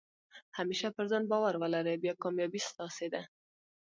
همېشه پر ځان بارو ولرئ، بیا کامیابي ستاسي ده.